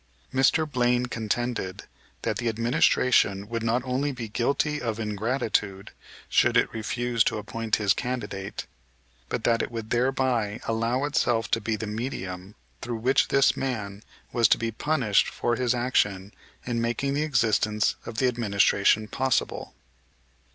Mr. Blaine contended that the administration would not only be guilty of ingratitude should it refuse to appoint his candidate, but that it would thereby allow itself to be the medium through which this man was to be punished for his action in making the existence of the administration possible.